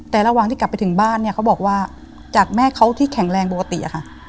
แต่ระหว่างที่กลับไปถึงบ้านเนี่ยเขาบอกว่าจากแม่เขาที่แข็งแรงปกติอะค่ะ